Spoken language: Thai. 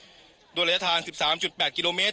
จุดรายทาง๑๓๘กิโลเมตร